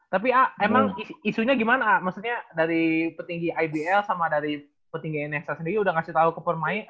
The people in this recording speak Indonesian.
selepas itu gimana maksudnya dari petinggi ibl sama dari petinggi nss sendiri udah ngasih tau ke pemain